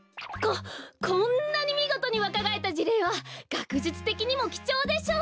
ここんなにみごとにわかがえったじれいはがくじゅつてきにもきちょうでしょう。